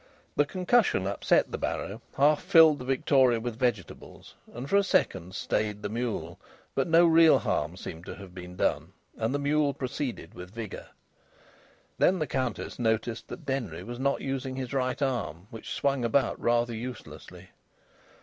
The concussion upset the barrow, half filled the victoria with vegetables, and for a second stayed the mule; but no real harm seemed to have been done, and the mule proceeded with vigour. Then the Countess noticed that Denry was not using his right arm, which swung about rather uselessly.